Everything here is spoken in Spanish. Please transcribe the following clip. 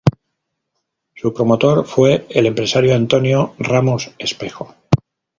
Su promotor fue el empresario Antonio Ramos Espejo.